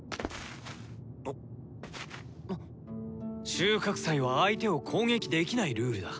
収穫祭は相手を攻撃できないルールだ。